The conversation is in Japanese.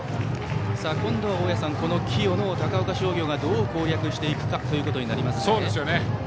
今度はこの清野を高岡商業がどう攻略していくかということになりますね。